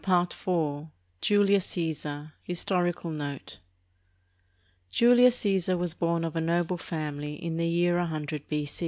365 IV JULIUS C^SAR HISTORICAL NOTE Julius C^sar was born of a noble family in the year loo B.